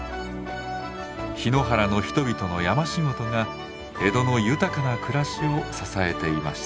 檜原の人々の山仕事が江戸の豊かな暮らしを支えていました。